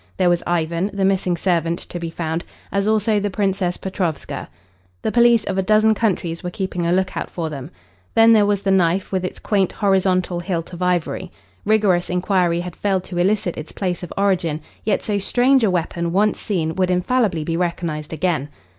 There was Ivan, the missing servant, to be found, as also the Princess Petrovska. The police of a dozen countries were keeping a look out for them. Then there was the knife with its quaint, horizontal hilt of ivory. Rigorous inquiry had failed to elicit its place of origin, yet so strange a weapon once seen would infallibly be recognised again.